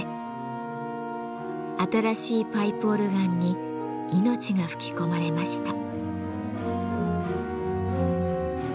新しいパイプオルガンに命が吹き込まれました。